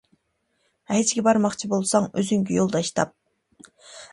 ھەجگە بارماقچى بولساڭ، ئۆزۈڭگە يولداش تاپ.